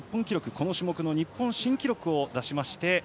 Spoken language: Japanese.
この種目の日本新記録を出しまして